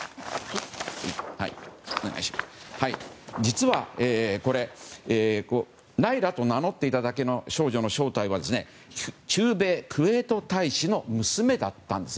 実は、ナイラと名乗っていただけの少女の正体は駐米クウェート大使の娘だったんです。